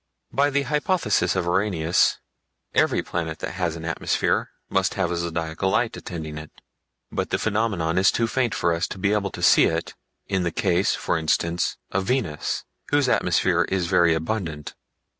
By the hypothesis of Arrhenius every planet that has an atmosphere must have a Zodiacal Light attending it, but the phenomenon is too faint for us to be able to see it in the case, for instance, of Venus, whose atmosphere is very abundant.